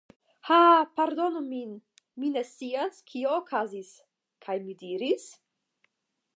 Haa... pardonu min... mi ne scias kio okazis. kaj mi diris: